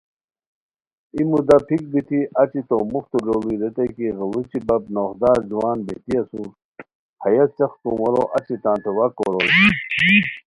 ای مودا پھیک بیتی اچی تو موختو لوڑی ریتائے کی غیڑوچی بپ نوغدار جوان بیتی اسور ہیہ څیق کومورو اچی تانتے و ا کوروئے